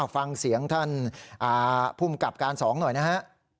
ฟังเสียงท่านผู้กำกับการสองหน่อยนะฮะ